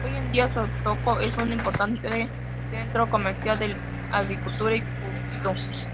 Hoy en día, Sokoto es un importante centro comercial de agricultura y curtido.